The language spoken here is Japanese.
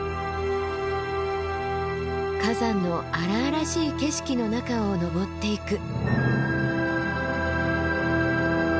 火山の荒々しい景色の中を登っていく。